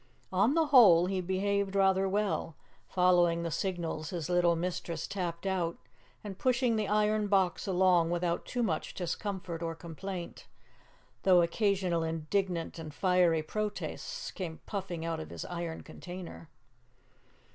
On the whole, he behaved rather well, following the signals his little mistress tapped out, and pushing the iron box along without too much discomfort or complaint, though occasional indignant and fiery protests came puffing out of his iron container.